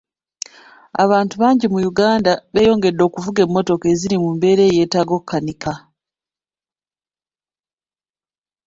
Abantu bangi mu Uganda beeyongedde okuvuga emmotoka eziri mu mbeera eyeetaaga okukanika.